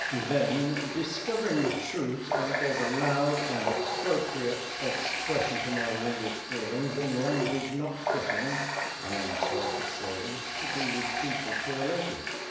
Then, discovering the truth, I gave a loud and appropriate expression to my wounded feelings in language not fitting, I am sorry to say, to be repeated to a lady.